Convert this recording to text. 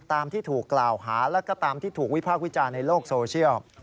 ตามที่ถูกกล่าวหาแล้วก็ตามที่ถูกวิพากษ์วิจารณ์ในโลกโซเชียล